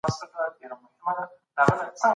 هیلې سته.